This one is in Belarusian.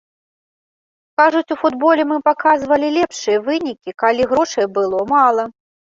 Кажуць, у футболе мы паказвалі лепшыя вынікі, калі грошай было мала.